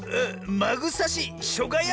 「まぐさし」「しょがや」！